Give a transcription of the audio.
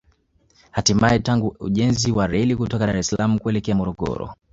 Hatimae tangu ujenzi wa reli kutoka Dar es Salaam kuelekea Morogoro